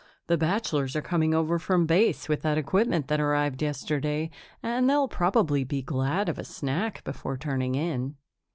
The bachelors are coming over from Base with that equipment that arrived yesterday, and they'll probably be glad of a snack before turning in."